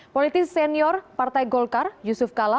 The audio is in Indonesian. politis senior partai golkar yusuf kala